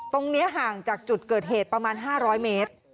ตรงนี้ห่างจากจุดเกิดเหตุประมาณ๕๐๐เมตร